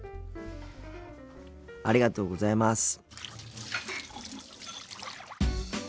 ありがとうございます。